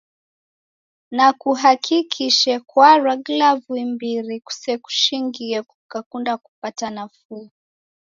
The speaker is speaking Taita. Na kuhakikishe kwarwa glavu imbiri kusekushingie kukakunda kupata nafuu.